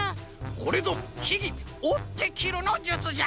これぞひぎ「おってきるのじゅつ」じゃ！